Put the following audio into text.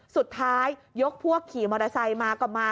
สุดท้ายยกพวกขี่มอเตอร์ไซค์มาก็มา